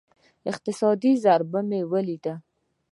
اقتصادي ضربه مې وليده.